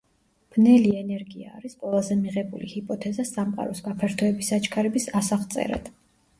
ბნელი ენერგია არის ყველაზე მიღებული ჰიპოთეზა სამყაროს გაფართოების აჩქარების ასაღწერად.